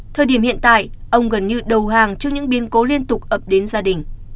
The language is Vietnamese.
thời điểm hiện tại ông gần như đầu hàng trước những biến cố liên tục ập đến gia đình